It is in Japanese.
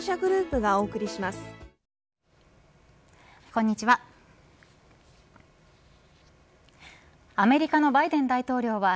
こんにちは。